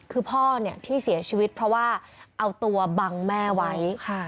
คือพ่อที่เสียชีวิตเพราะว่าเอาตัวบังแม่ไว้